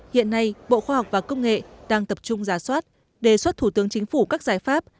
hiện nay bộ khoa học và công nghệ đang tập trung giả soát đề xuất thủ tướng chính phủ các giải pháp